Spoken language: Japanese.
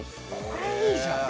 これいいじゃん